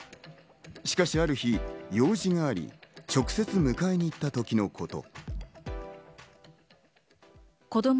しかしある日、用事があり、直接、迎えに行ったときのこと。